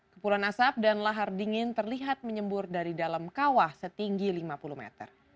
kepulan asap dan lahar dingin terlihat menyembur dari dalam kawah setinggi lima puluh meter